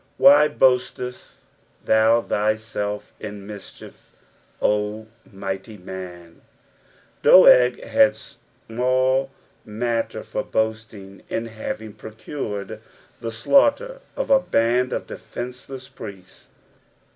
Why "boattett Oum thyself in mitehief, 0 mighty manT" Doeg fa&d smaU matter for boasting in having procured tlie eltinghter of a band of dcfencelesa priests.